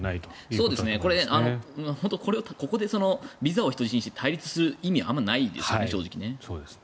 これ、本当にここでビザを人質にして対立する意味はあまりないですよね、正直。